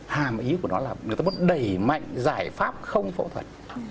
hàm ý của nó là người ta muốn đẩy mạnh giải pháp không phẫu thuật